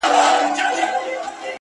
د زړه بوټى مي دی شناخته د قبرونو ـ